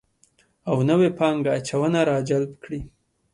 او نوې پانګه اچونه راجلب کړي